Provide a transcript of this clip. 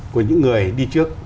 của những người đi trước